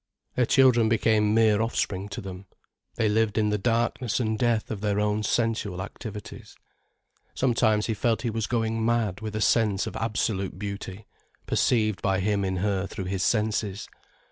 Their children became mere offspring to them, they lived in the darkness and death of their own sensual activities. Sometimes he felt he was going mad with a sense of Absolute Beauty, perceived by him in her through his senses.